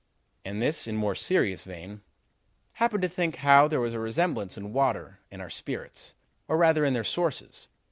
And this, in more serious vein: 'Happened to think how there was a resemblance in water and our spirits, or rather in their sources.